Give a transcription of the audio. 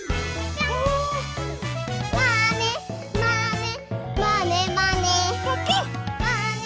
「まねまねまねまね」